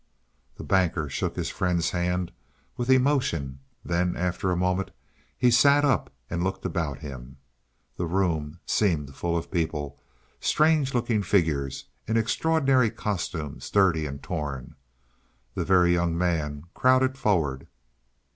The Banker shook his friend's hand with emotion; then after a moment he sat up and looked about him. The room seemed full of people strange looking figures, in extraordinary costumes, dirty and torn. The Very Young Man crowded forward.